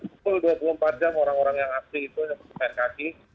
sepuluh dua puluh empat jam orang orang yang asli itu berpekan kaki